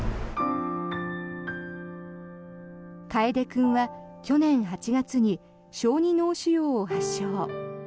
楓君は去年８月に小児脳腫瘍を発症。